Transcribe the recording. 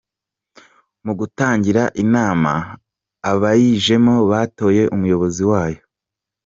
Mu gutangira inama, abayijemo batoye umuyobozi wayo.